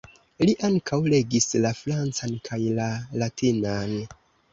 Li ankaŭ legis la francan kaj la latinan.